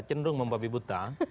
cenderung membabi buta